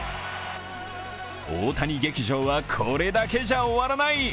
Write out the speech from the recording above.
大谷劇場はこれだけじゃ終わらない。